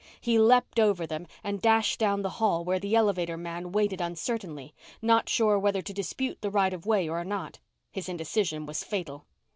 He leaped over them and dashed down the hall where the elevator man waited uncertainly, not sure whether to dispute the right of way or not. His indecision was fatal.